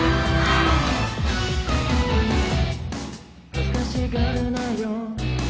恥ずかしがるなよ